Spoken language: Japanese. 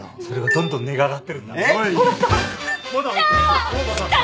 それがどんどん値が上がってるんだ。